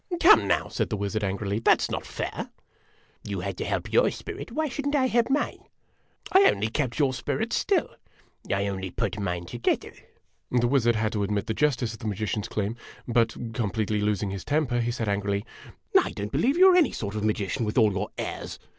"Come now," said the wizard, angrily, "that's not fair!" "You had to help your spirit, why should n't I help mine?" " I only kept your spirit still !" A DUEL IN A DESERT 45 " I only put mine together!' The wizard had to admit the justice of the magician's claim; but, completely losing his temper, he said angrily: " I don't believe you are any sort of a magician, with all your airs